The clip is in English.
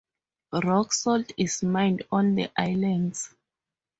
Rock salt is mined on the Islands.